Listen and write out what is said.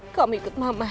aku mau dapatkan bella